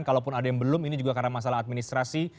kalaupun ada yang belum ini juga karena masalah administrasi